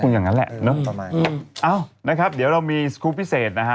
อย่างนั้นแหละเนอะประมาณเอ้านะครับเดี๋ยวเรามีสกรูปพิเศษนะฮะ